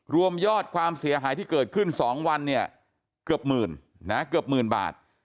รวมยอดความเสียหายที่เกิดขึ้น๒วันเนี่ยเกือบ๑๐๐๐๐บาท